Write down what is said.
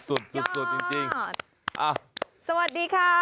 สุดยังจริงสวัสดีครับ